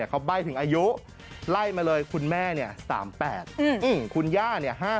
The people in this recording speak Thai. เขาใบ้ถึงอายุไล่มาเลยคุณแม่๓๘คุณย่า